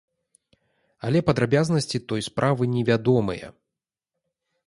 Але падрабязнасці той справы невядомыя.